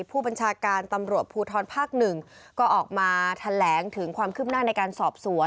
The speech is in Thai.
ผู้บัญชาการตำรวจภูทรภาคหนึ่งก็ออกมาแถลงถึงความคืบหน้าในการสอบสวน